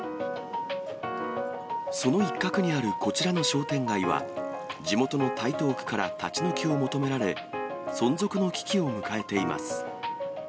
その一角にあるこちらの商店街は、地元の台東区から立ち退きを求められ、存続の危機を迎えています。